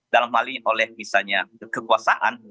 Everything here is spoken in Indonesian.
dalam hal ini oleh misalnya kekuasaan